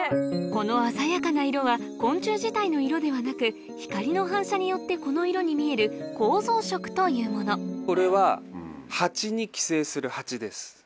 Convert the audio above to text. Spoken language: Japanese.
この鮮やかな色は昆虫自体の色ではなく光の反射によってこの色に見える構造色というものはい。